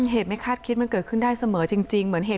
เหตุไม่คาดคิดมันเกิดขึ้นได้เสมอจริง